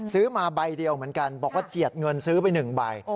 ซื้อมาใบเดียวเหมือนกันบอกว่าเจียดเงินซื้อไป๑ใบ